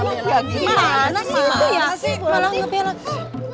malah gak pilih aku